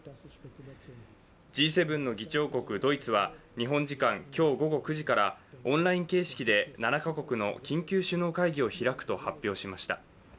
Ｇ７の議長国、ドイツは日本時間今日午後９時からオンライン形式で、７か国の緊急首脳会議を開くと発表しました。